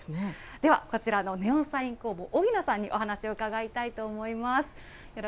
では、こちらのネオンサイン工房、荻野さんにお話を伺いたいと思います。